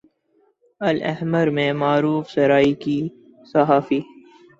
الحمرا میں معروف سرائیکی صحافی